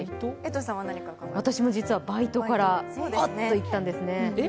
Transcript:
私も実はバイトからハッていったんですね。